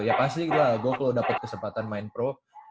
ya pasti lah gua kalo dapet kesempatan main pro